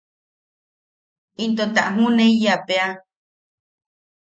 Into ta ju’uneiyapea.